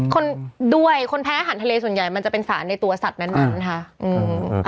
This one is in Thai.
คนด้วยคนแพ้อาหารทะเลส่วนใหญ่มันจะเป็นสารในตัวสัตว์นั้นค่ะอืม